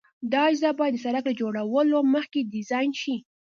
دا اجزا باید د سرک له جوړولو مخکې ډیزاین شي